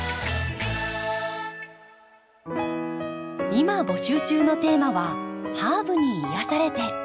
今募集中のテーマは「ハーブに癒やされて」。